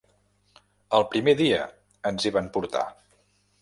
El primer dia ens hi van portar.